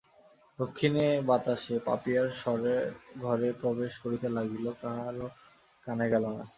দক্ষিণে বাতাসে পাপিয়ার স্বর ঘরে প্রবেশ করিতে লাগিল, কাহারো কানে গেল না।